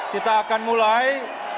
kita akan mulai